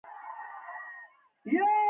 ویګیان او د پارلمان غړي دغه محدودیتونه ومني.